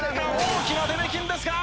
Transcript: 大きな出目金ですが。